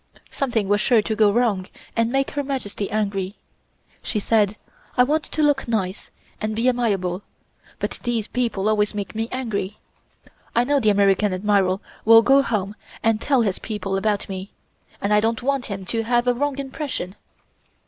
Something was sure to go wrong and make Her Majesty angry. She said: "I want to look nice, and be amiable, but these people always make me angry. I know the American Admiral will go home and tell his people about me, and I don't want him to have a wrong impression."